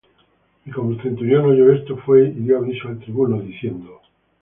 Y como el centurión oyó esto, fué y dió aviso al tribuno, diciendo